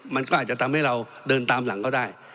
มันก็อาจจะทำให้เราเดินตามหลังเขาได้